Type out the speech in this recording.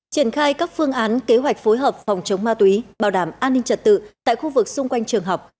triển khai các phương án kế hoạch phối hợp phòng chống ma túy bảo đảm an ninh trật tự tại khu vực xung quanh trường học